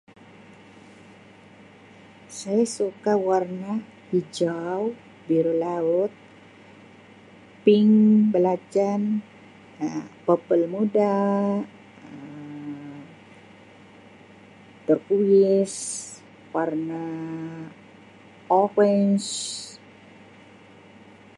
Saya suka warna hijau, biru laut, pink belacan Um, purple muda Um, terqouis Um warna orange.